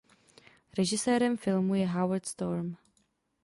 Režisérem filmu je Howard Storm.